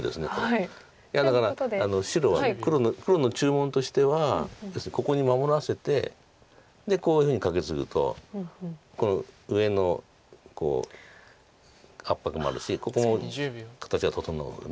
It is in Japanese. いやだから黒の注文としては要するにここに守らせてでこういうふうにカケツグとこの上の圧迫もあるしここも形が整うので。